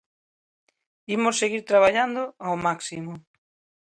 Imos seguir traballando ao máximo.